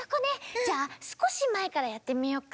じゃあすこしまえからやってみよっか。